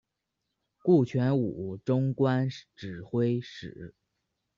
顾全武终官指挥使。